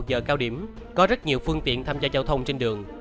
giờ cao điểm có rất nhiều phương tiện